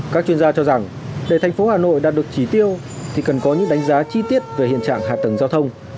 các chuyên gia cho rằng để thành phố hà nội đạt được chỉ tiêu thì cần có những đánh giá chi tiết về hiện trạng hạ tầng giao thông